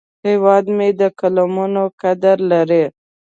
هیواد مې د قلمونو قدر لري